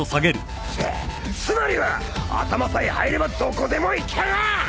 つまりは頭さえ入ればどこでも行ける！